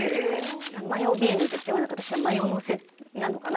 マヨビームではなく私はマヨのせなのかな？